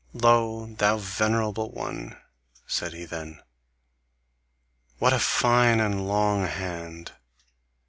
"Lo! thou venerable one," said he then, "what a fine and long hand!